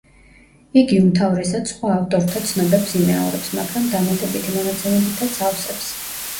იგი უმთავრესად სხვა ავტორთა ცნობებს იმეორებს, მაგრამ დამატებითი მონაცემებითაც ავსებს.